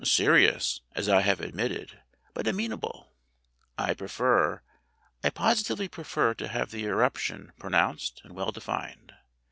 "Serious, as I have admitted, but amenable. I pre fer I positively prefer to have the eruption pro nounced and well defined.